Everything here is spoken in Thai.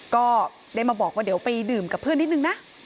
ก็ได้มาบอกว่าเดี๋ยวไปดื่มกับเพื่อนนิดนึงนะ